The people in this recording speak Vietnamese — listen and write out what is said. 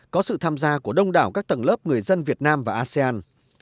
có sự tham gia của đông đảo các tầng lớp người dân việt nam và asean